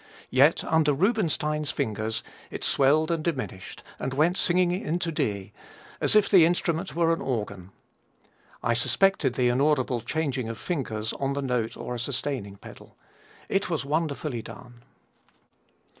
Yet under Rubinstein's fingers it swelled and diminished, and went singing into D, as if the instrument were an organ. I suspected the inaudible changing of fingers on the note or a sustaining pedal. It was wonderfully done.